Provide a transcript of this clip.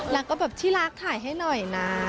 แล้วก็แบบที่รักถ่ายให้หน่อยนะ